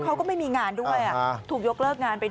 เขาก็ไม่มีงานด้วยถูกยกเลิกงานไป